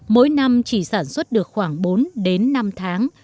mỗi năm chỉ sản xuất được khoảng bốn đến năm tháng